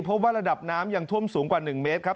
เพราะว่าระดับน้ำยังท่วมสูงกว่า๑เมตรครับ